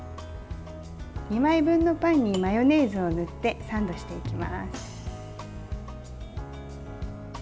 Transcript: ２枚分のパンにマヨネーズを塗ってサンドしていきます。